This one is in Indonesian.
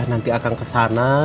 nanti akang kesana